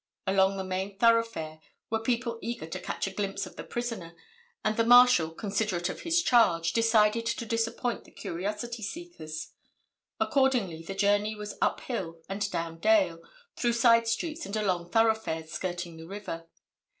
Along the main thoroughfare were people eager to catch a glimpse of the prisoner, and the Marshal, considerate of his charge, decided to disappoint the curiosity seekers. Accordingly, the journey was up hill and down dale, through side streets and along thoroughfares skirting the river.